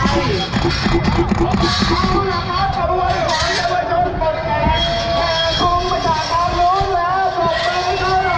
ขอบคุณครับขอบคุณครับขอบคุณครับว่าชุดปลดแอดแห่งภูมิประชาตาภูมิแล้วต่อไปด้วยเลย